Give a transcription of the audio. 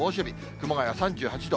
熊谷３８度。